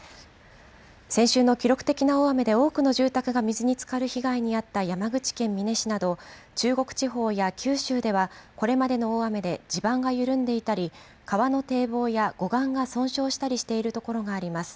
先週の記録的な大雨で、多くの住宅が水につかる被害に遭った、山口県美祢市など、中国地方や九州ではこれまでの大雨で地盤が緩んでいたり、川の堤防や護岸が損傷している所などがあります。